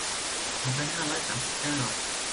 สองพันห้าร้อยสามสิบเก้า